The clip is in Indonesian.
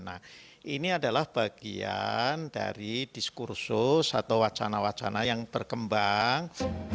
nah ini adalah bagian dari diskursus atau wacana wacana yang berkembang